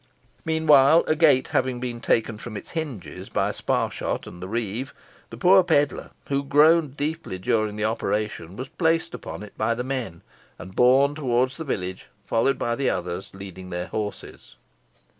Meanwhile, a gate having been taken from its hinges by Sparshot and the reeve, the poor pedlar, who groaned deeply during the operation, was placed upon it by the men, and borne towards the village, followed by the others, leading their horses.